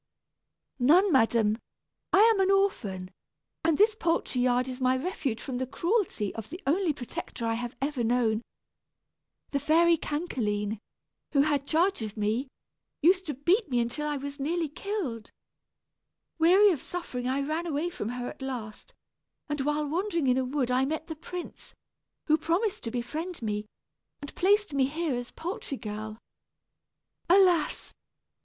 "None, madam; I am an orphan, and this poultry yard is my refuge from the cruelty of the only protector I have ever known. The fairy Cancaline, who had charge of me, used to beat me until I was nearly killed. Weary of suffering I ran away from her at last; and while wandering in a wood I met the prince, who promised to befriend me, and placed me here as poultry girl. Alas!